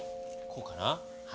こうかな。